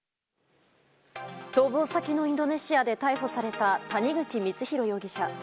逃亡先のインドネシアで逮捕された、谷口光弘容疑者。